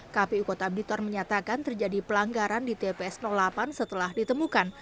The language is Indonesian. kpu kota blitar menyatakan terjadi pelanggaran di tps delapan setelah ditemukan